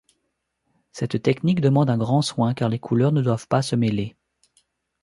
Cette technique demande un grand soin car les couleurs ne doivent pas se mêler.